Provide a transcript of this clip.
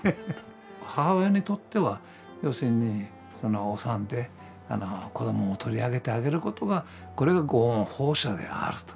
母親にとっては要するにお産で子どもを取り上げてあげることがこれが御恩報謝であると。